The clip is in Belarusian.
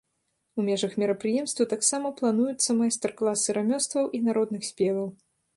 У межах мерапрыемства таксама плануюцца майстар-класы рамёстваў і народных спеваў.